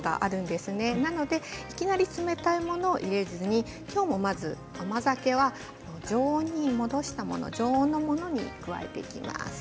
ですからいきなり冷たいものを入れずにきょうもまず甘酒は常温に戻したもの常温のものにしていきます。